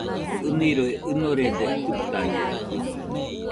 ɨniroi ɨnorede, jɨtañeno